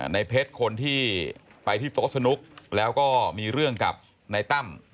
ในเพชรคนที่ไปที่โต๊ะสนุกแล้วก็มีเรื่องกับนายตั้ม